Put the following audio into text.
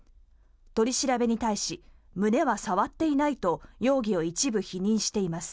取り調べに対し胸は触っていないと容疑を一部否認しています。